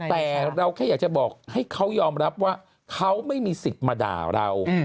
แต่เราแค่อยากจะบอกให้เขายอมรับว่าเขาไม่มีสิทธิ์มาด่าเรา